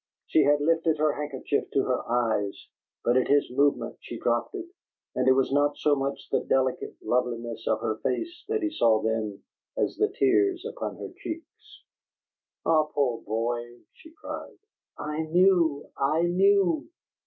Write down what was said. She had lifted her handkerchief to her eyes, but at his movement she dropped it, and it was not so much the delicate loveliness of her face that he saw then as the tears upon her cheeks. "Ah, poor boy!" she cried. "I knew! I knew!"